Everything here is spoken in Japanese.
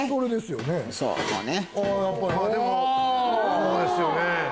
こうですよね。